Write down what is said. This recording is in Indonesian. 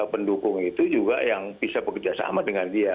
pendukung itu juga yang bisa bekerja sama dengan dia